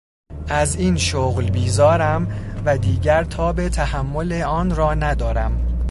از این شغل بیزارم و دیگر تاب تحمل آن را ندارم!